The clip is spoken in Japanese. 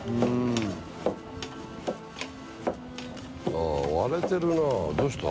あぁ割れてるなどうした？